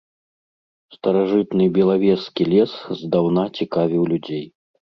Старажытны белавежскі лес здаўна цікавіў людзей.